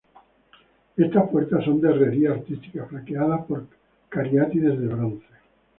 Estas puertas son de herrería artística, flanqueadas por cariátides de bronce.